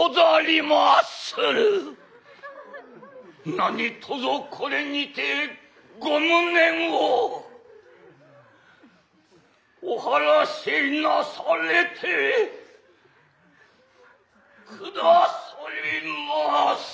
何とぞこれにてご無念をお晴らしなされてくださりませ」。